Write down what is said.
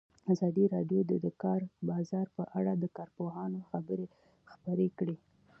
ازادي راډیو د د کار بازار په اړه د کارپوهانو خبرې خپرې کړي.